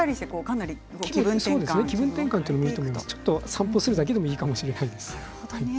ちょっと散歩するだけでもいいかもしれないです。